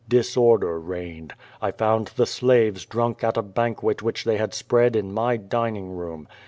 Disorder reigned. I found the slaves drunk at a banquet which they had spread in my dining room.